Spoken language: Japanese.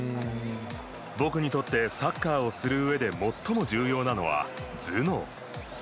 僕にとってサッカーをするうえで最も重要なのは、頭脳。